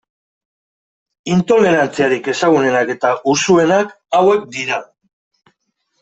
Intolerantziarik ezagunenak eta usuenak hauek dira.